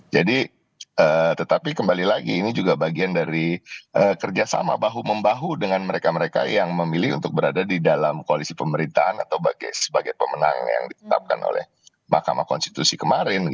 jadi tetapi kembali lagi ini juga bagian dari kerjasama bahu membahu dengan mereka mereka yang memilih untuk berada di dalam koalisi pemerintahan atau sebagai pemenang yang ditetapkan oleh mahkamah konstitusi